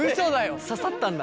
刺さったんだ。